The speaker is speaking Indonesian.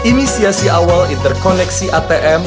inisiasi awal interkoneksi atm